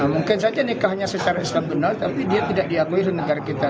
mungkin saja nikahnya secara islam benar tapi dia tidak diakui oleh negara kita